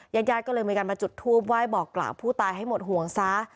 ญาติญาติก็เลยมีการมาจุดทูปไหว้บอกกล่าวผู้ตายให้หมดห่วงซะ